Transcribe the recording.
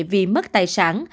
vì mất tài sản